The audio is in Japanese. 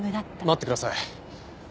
待ってください。